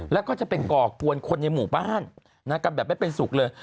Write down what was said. แล้วก็จะเป็นก่อกวนคนในหมู่บ้านกันแบบไม่เป็นสุขเลย